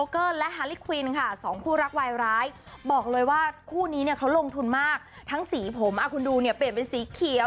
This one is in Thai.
ขุมตัวดูเปรียบเป็นสีเขียว